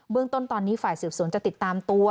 เรื่องต้นตอนนี้ฝ่ายสืบสวนจะติดตามตัว